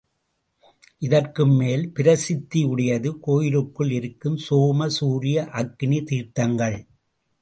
இதற்கும் மேல் பிரசித்தி உடையது கோயிலுக்குள் இருக்கும் சோம, சூர்ய, அக்னி தீர்த்தங்கள்.